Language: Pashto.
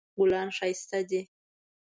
ګلان ښایسته دي